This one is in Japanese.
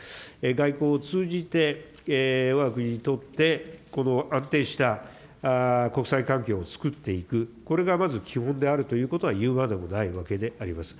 外交を通じて、わが国にとって、この安定した国際環境をつくっていく、これがまず基本であるということは言うまでもないわけであります。